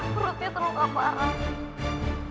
perutnya terluka parah